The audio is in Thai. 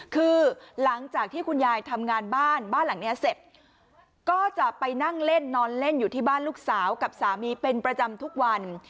คือหลังจากที่คุณยายทำงานบ้านบ้านหลังนี้เสร็จก็จะไปนั่งเล่นนอนเล่นอยู่ที่บ้านลูกสาวกับสามีเป็นประจำทุกวัน